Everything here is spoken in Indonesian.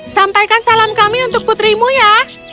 sampaikan salam kami untuk putrimu ya